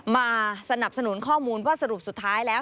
มาสนับสนุนข้อมูลว่าสรุปสุดท้ายแล้ว